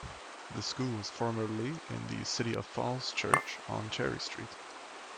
The school was formerly in the city of Falls Church on Cherry Street.